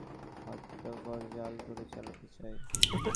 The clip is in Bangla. জীবনটা জালিয়াত, সে অনন্তকালের হস্তাক্ষর জাল করে চালাতে চায়।